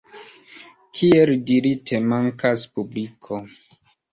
Kiel dirite, mankas publiko.